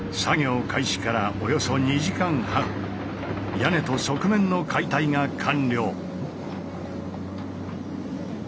屋根と側面の解体が完了。